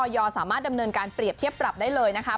สามารถดำเนินการเปรียบเทียบปรับได้เลยนะคะ